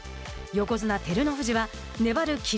横綱・照ノ富士は粘る霧